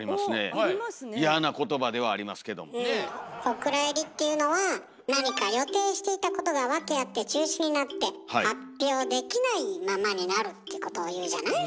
「お蔵入り」っていうのは何か予定していたことが訳あって中止になって発表できないままになるっていうことをいうじゃない？